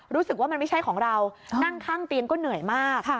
รู้สึกว่ามันไม่ใช่ของเรานั่งข้างเตียงก็เหนื่อยมาก